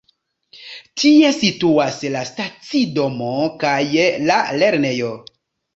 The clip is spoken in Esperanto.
Tie situas la stacidomo kaj la lernejo.